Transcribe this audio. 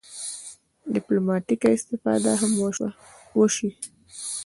ډیپلوماټیکه استفاده هم وشي.